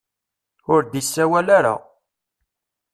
Ur d-isawel ara.